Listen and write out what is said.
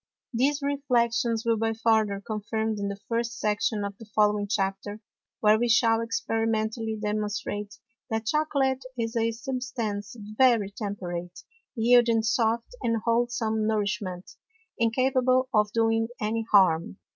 _ These Reflections will be farther confirmed in the first Section of the following Chapter, where we shall experimentally demonstrate that Chocolate is a Substance very temperate, yielding soft and wholesome Nourishment, incapable of doing any Harm.